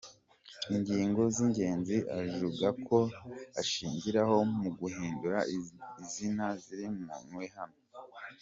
Ingingo z’ingenzi ajuga ko ashingiraho mu guhindura izina ziri mu nui hano:.